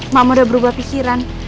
mbak udah berubah pikiran